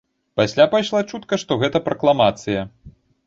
Пасля пайшла чутка, што гэта пракламацыя.